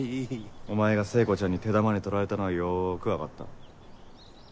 お前が聖子ちゃんに手玉に取られたのはよく分かった。